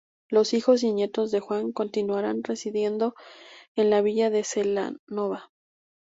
Los hijos y nietos de Juan continuarán residiendo en la villa de Celanova.